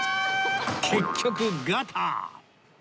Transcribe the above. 結局ガター